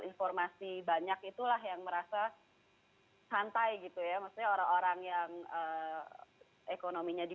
informasi banyak itulah yang merasa santai gitu ya maksudnya orang orang yang ekonominya di